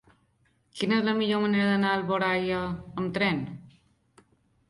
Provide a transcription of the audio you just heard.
Quina és la millor manera d'anar a Alboraia amb tren?